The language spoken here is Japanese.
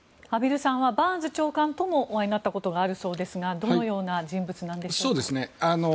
畔蒜さんはバーンズ長官ともお会いになったことがあるそうですがどのような人物なのでしょうか。